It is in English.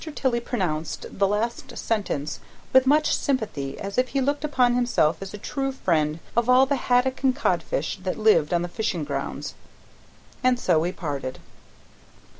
Tilley pronounced the last sentence with much sympathy, as if he looked upon himself as a true friend of all the haddock and codfish that lived on the fishing grounds, and so we parted.